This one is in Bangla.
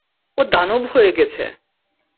ও দানব হয়ে গেছে!